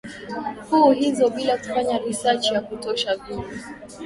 fu hizo bila kufanya research ya kutosha vile